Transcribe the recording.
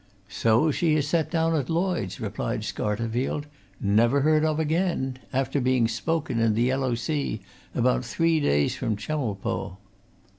"So she is set down at Lloyds," replied Scarterfield. "Never heard of again after being spoken in the Yellow Sea about three days from Chemulpo."